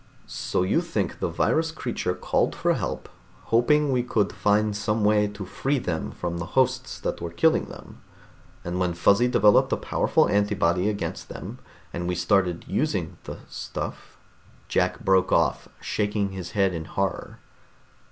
"So you think the virus creatures called for help, hoping we could find some way to free them from the hosts that were killing them. And when Fuzzy developed a powerful antibody against them, and we started using the stuff " Jack broke off, shaking his head in horror.